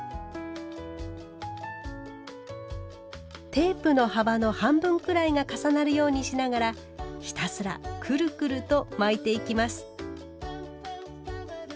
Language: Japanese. テープの幅の半分くらいが重なるようにしながらひたすらくるくると巻いていきます。